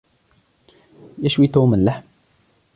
يشوي توم اللحم.